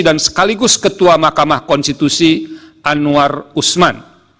dan sekaligus ketua makamah konstitusi anwar usman